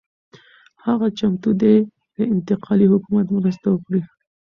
هغه چمتو دی د انتقالي حکومت مرسته وکړي.